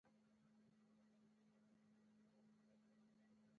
پر څنګ یې د کندهار مجله چلوله.